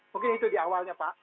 mungkin itu dia